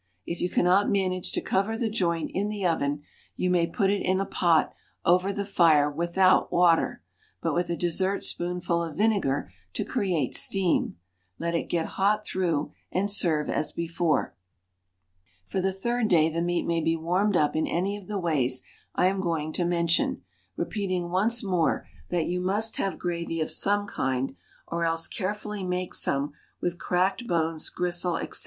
If you cannot manage to cover the joint in the oven, you may put it in a pot over the fire without water, but with a dessert spoonful of vinegar to create steam; let it get hot through, and serve as before. For the third day the meat may be warmed up in any of the ways I am going to mention, repeating once more, that you must have gravy of some kind, or else carefully make some, with cracked bones, gristle, etc.